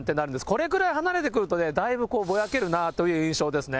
これぐらい離れてくると、だいぶぼやけるなという印象ですね。